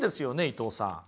伊藤さん。